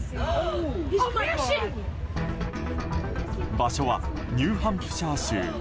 場所はニューハンプシャー州。